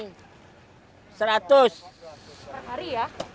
per hari ya